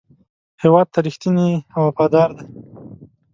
هېواد ته رښتینی او وفادار دی.